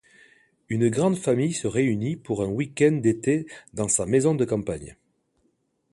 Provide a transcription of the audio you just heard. Une grande famille se réunit pour un week-end d'été dans sa maison de campagne.